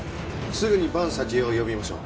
すぐに伴佐知恵を呼びましょう。